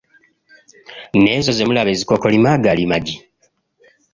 N'ezo ze mulaba ezikookolima gaali magi.